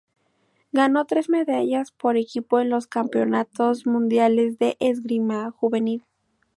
Ganó tres medallas por equipo en los campeonatos mundiales de esgrima juvenil.